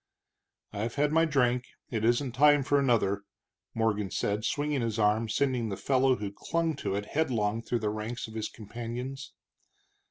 "I've had my drink, it isn't time for another," Morgan said, swinging his arm, sending the fellow who clung to it headlong through the ranks of his companions.